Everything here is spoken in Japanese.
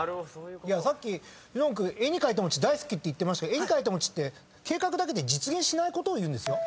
さっきＪＵＯＮ君「絵に描いた餅大好き」って言ってましたけど「絵に描いた餅」って計画だけで実現しないことをいうんですよ？